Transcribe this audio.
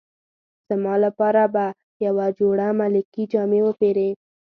زما لپاره به یوه جوړه ملکي جامې وپیرې.